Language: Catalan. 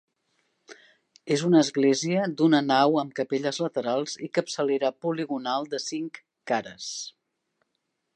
És una església d'una nau amb capelles laterals i capçalera poligonal de cinc cares.